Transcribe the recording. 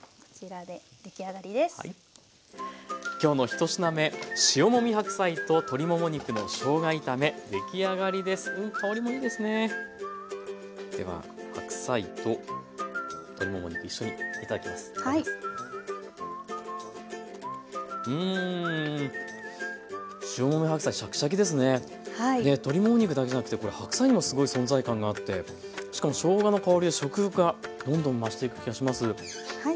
で鶏もも肉だけじゃなくてこれ白菜にもすごい存在感があってしかもしょうがの香りで食欲がどんどん増していく気がします。